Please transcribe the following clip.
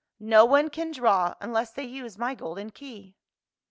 No one can draw unless they use my golden key."